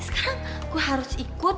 sekarang gue harus ikut